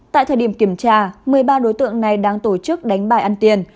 tại thời điểm kiểm tra một mươi ba đối tượng này đang tổ chức đánh bài ăn tiền